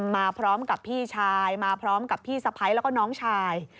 มาพร้อมกับพี่ชายมาพร้อมกับพี่สะพ้ายแล้วก็น้องชาย